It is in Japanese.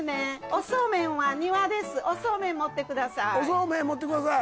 おそうめん持ってください